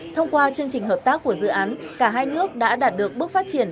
thông qua chương trình hợp tác của dự án cả hai nước đã đạt được bước phát triển